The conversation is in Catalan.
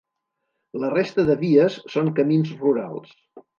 La resta de vies són camins rurals.